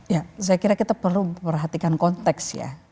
ya saya kira kita perlu perhatikan konteks ya